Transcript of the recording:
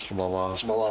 こんばんは。